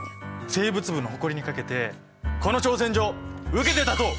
生物部の誇りに懸けてこの挑戦状受けて立とう！